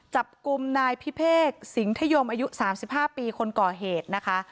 จับกลุ่มนายพิเภกสิงธยมอายุ๓๕ปีคนก่อเหตุนะคะ